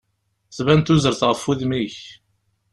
Tban tuzert ɣef udem-ik.